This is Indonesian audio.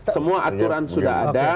semua aturan sudah ada